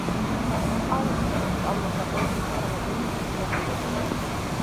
პაულ დილსი სწავლობდა ბერლინისა და ვენის უნივერსიტეტებში.